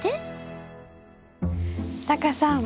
タカさん